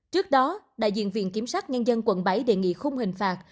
trước đó đại diện viện kiểm soát nhân dân quận bảy đề nghị không hình phạt